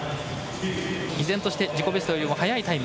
依然として自己ベストよりも速いタイム。